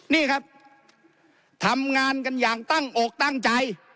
นี่ครับทำงานกันอย่างตั้งอกตั้งใจ